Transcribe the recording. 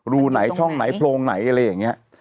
รูไหนช่องไหนโพรงไหนอะไรอย่างนี้